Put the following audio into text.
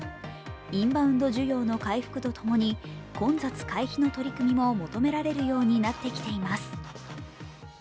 インバウンド需要の回復とともに、混雑回避の取り組みも求められるようになってきています。